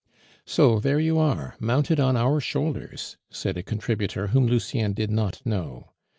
"So there you are, mounted on our shoulders," said a contributor whom Lucien did not know.